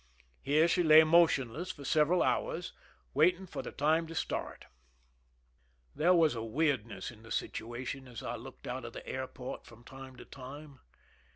\ Here she lay motionless for several hours, waiting ) for the time to start. \ There was a weirdness in the situation as I looked ( out of the air port from time to time.